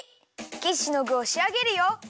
キッシュのぐをしあげるよ。